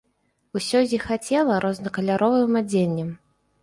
Усё зіхацела рознакаляровым адзеннем.